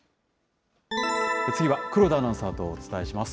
次は黒田アナウンサーとお伝えします。